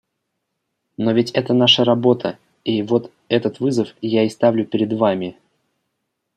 Но ведь это наша работа, и вот этот вызов я и ставлю перед вами.